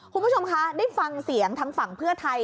คุณผู้ชมคะได้ฟังเสียงทางฝั่งเพื่อไทย